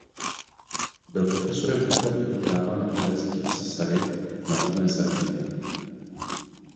Byl profesorem ústavního práva na univerzitě v Sassari na rodné Sardinii.